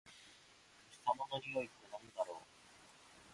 お日様のにおいってなんだろう？